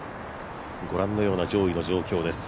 ご覧のような上位の状況です。